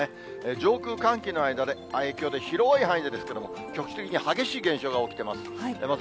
上空、寒気の影響で、広い範囲でですけれども、局地的に激しい現象が起きてます。